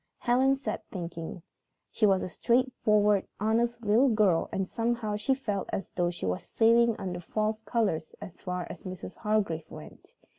Helen sat thinking. She was a straightforward, honest little girl, and somehow she felt as though she was sailing under false colors as far as Mrs. Hargrave went.